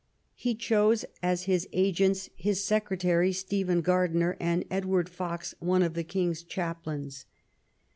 He chose as his agents his secretary, Stephen Gardiner, and Edward Foxe, one of the king's chaplains.